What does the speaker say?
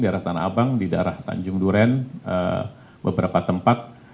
daerah tanah abang di daerah tanjung duren beberapa tempat